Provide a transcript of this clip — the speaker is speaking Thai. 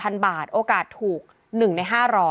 ๑ใน๕๐๐